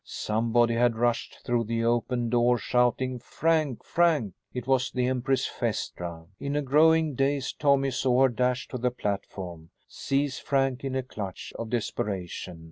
Somebody had rushed through the open door shouting, "Frank! Frank!" It was the empress Phaestra. In a growing daze Tommy saw her dash to the platform, seize Frank in a clutch of desperation.